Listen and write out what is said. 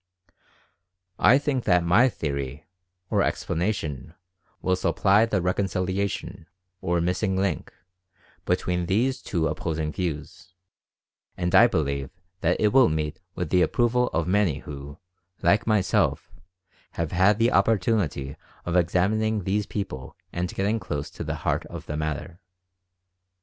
I think that my theory, or explanation, will supply the Reconciliation, or Missing link, between these two opposing views, and I believe that it will meet with the approval of many who, like myself, have had the opportunity of examining these people and getting close to the heart of the matter.